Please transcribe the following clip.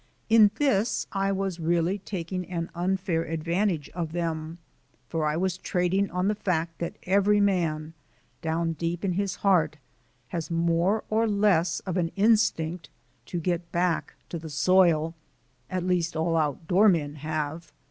In this I was really taking an unfair advantage of them, for I was trading on the fact that every man, down deep in his heart, has more or less of an instinct to get back to the soil at least all outdoor men have.